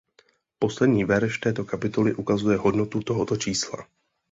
Poslední verš této kapitoly ukazuje hodnotu tohoto čísla.